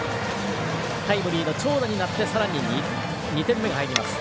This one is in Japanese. タイムリーの長打になってさらに２点目が入ります。